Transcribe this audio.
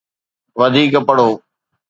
وڌيڪ پڙهو